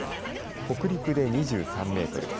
北陸で２３メートル